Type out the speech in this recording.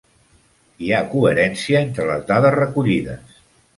Hi ha coherència entre les dades recollides.